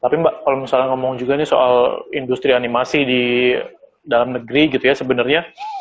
tapi mbak kalau misalnya ngomong juga nih soal industri animasi di dalam negeri gitu ya sebenarnya